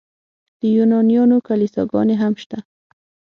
د یونانیانو کلیساګانې هم شته.